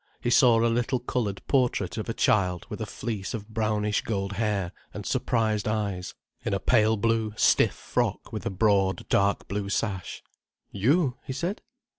He saw a little coloured portrait of a child with a fleece of brownish gold hair and surprised eyes, in a pale blue stiff frock with a broad dark blue sash. "You?" he said.